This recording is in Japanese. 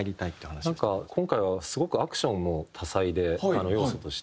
今回はすごくアクションも多彩で要素として。